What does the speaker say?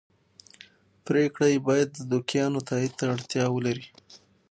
پرېکړې یې باید د دوکیانو تایید ته اړتیا ولري